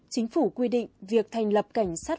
chính phủ quy định việc thành lập cảnh sát